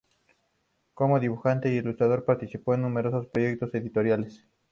Como dibujante e ilustrador participó en numerosos proyectos editoriales.